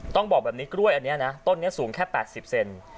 ต้องบอกแบบนี้กล้วยอันนี้นะต้นนี้สูงแค่๘๐เซน